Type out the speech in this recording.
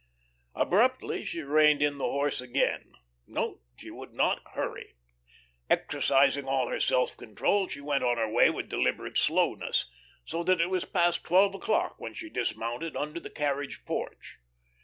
Abruptly she reined in the horse again. No, she would not hurry. Exercising all her self control, she went on her way with deliberate slowness, so that it was past twelve o'clock when she dismounted under the carriage porch.